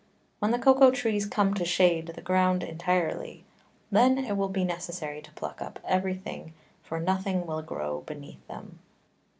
When the Cocao Trees come to shade the Ground entirely, then it will be necessary to pluck up every thing, for nothing then will grow beneath 'em.